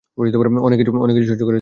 অনেককিছু সহ্য করেছ তুমি।